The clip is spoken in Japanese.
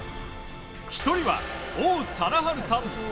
１人は王貞治さん。